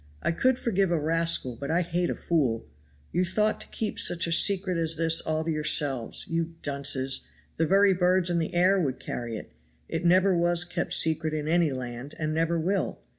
"I could forgive a rascal but I hate a fool. You thought to keep such a secret as this all to yourselves you dunces the very birds in the air would carry it; it never was kept secret in any land and never will.